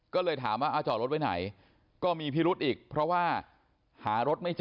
ก็เลยถามว่าจอดรถไว้ไหนก็มีพิรุธอีกเพราะว่าหารถไม่เจอ